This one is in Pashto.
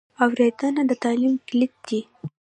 اورېدنه د تعلیم کلید دی.